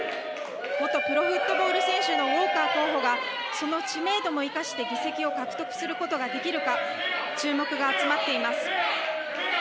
元プロフットボール選手のウォーカー候補がその知名度も生かして議席を獲得することができるか注目が集まっています。